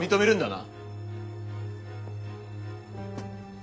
な？